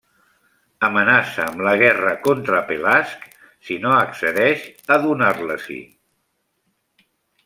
Amenaça amb la guerra contra Pelasg si no accedeix a donar-les-hi.